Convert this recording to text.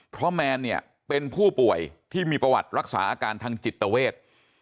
เพราะแมนเนี่ยเป็นผู้ป่วยที่มีประวัติรักษาอาการทางจิตเวท